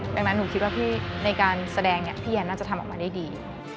ดังนั้นหนูคิดว่าพี่ในการแสดงเนี่ยพี่แอนน่าจะทำออกมาได้ดี